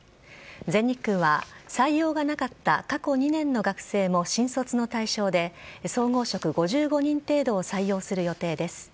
全日空は採用がなかった過去２年の学生も新卒の対象で総合職５５人程度を採用する予定です。